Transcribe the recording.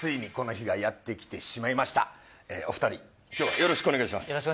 よろしくお願いします